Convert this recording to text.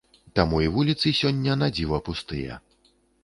Таму й вуліцы сёння надзіва пустыя.